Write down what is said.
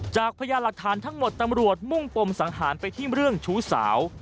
พยานหลักฐานทั้งหมดตำรวจมุ่งปมสังหารไปที่เรื่องชู้สาว